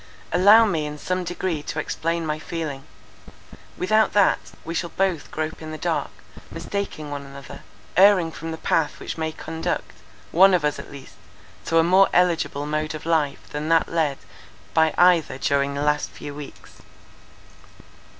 "Allow me in some degree to explain my feeling; without that, we shall both grope in the dark, mistaking one another; erring from the path which may conduct, one of us at least, to a more eligible mode of life than that led by either during the last few weeks.